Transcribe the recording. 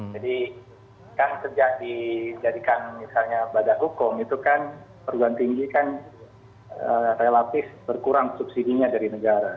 jadi kan sejak dijadikan misalnya badan hukum itu kan perguruan tinggi kan relatif berkurang subsidi nya dari negara